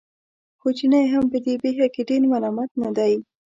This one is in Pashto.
خو چینی هم په دې پېښه کې ډېر ملامت نه دی.